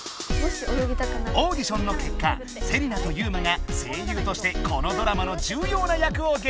オーディションの結果セリナとユウマが声優としてこのドラマの重要な役をゲットした！